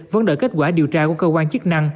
vấn đợi kết quả điều tra của cơ quan chức năng